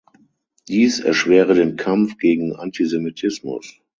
Dies erschwere den Kampf gegen Antisemitismus.